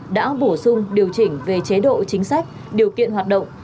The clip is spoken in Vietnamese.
đã bổ sung điều chỉnh về chế độ chính sách điều kiện hoạt động